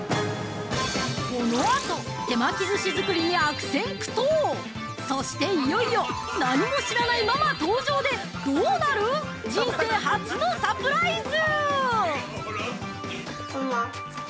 このあと手巻きずし作りに悪戦苦闘、そしていよいよ何も知らないママ登場で、どうなる、人生初のサプライズ！？◆